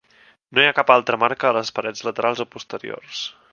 No hi ha cap altra marca a les parets laterals o posteriors.